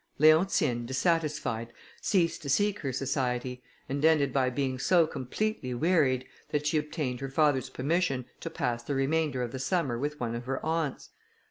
Leontine, dissatisfied, ceased to seek her society, and ended by being so completely wearied, that she obtained her father's permission to pass the remainder of the summer with one of her aunts.